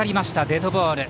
デッドボール。